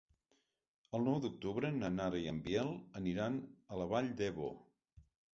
El nou d'octubre na Nara i en Biel aniran a la Vall d'Ebo.